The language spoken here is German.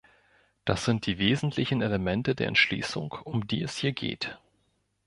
Das sind die wesentlichen Elemente der Entschließung, um die es hier geht.